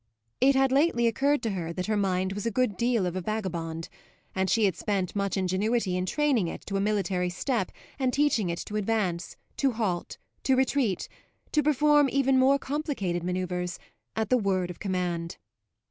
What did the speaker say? It had lately occurred to her that her mind was a good deal of a vagabond, and she had spent much ingenuity in training it to a military step and teaching it to advance, to halt, to retreat, to perform even more complicated manoeuvres, at the word of command.